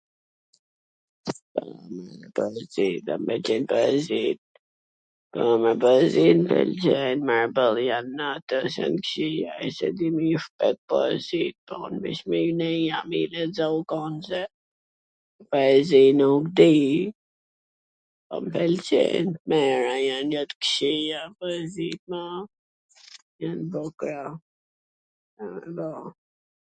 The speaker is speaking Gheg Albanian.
... poezi nuk di, po m pwlqen... jan jo t kqija